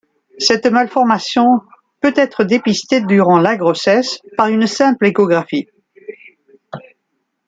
Cette malformation peut être dépistée durant la grossesse par une simple échographie.